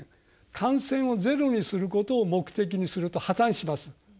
感染をゼロにすることを目的にすると破綻します。